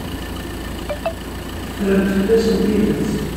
Ffrent fell-asen tidet.